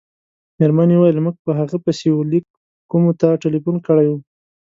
مېرمنې وویل: موږ په هغه پسې وه لېک کومو ته ټېلیفون کړی.